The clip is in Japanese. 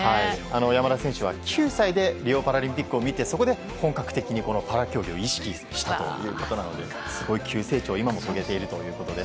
山田選手は９歳でリオパラリンピックを見てそこで本格的にパラ競技を意識したということですごい急成長を今も遂げているということです。